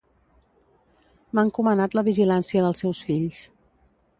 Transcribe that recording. M'ha encomanat la vigilància dels seus fills.